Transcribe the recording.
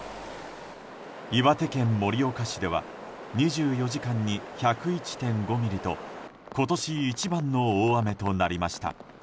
岩手県盛岡市では２４時間に１０１．５ミリと今年一番の大雨となりました。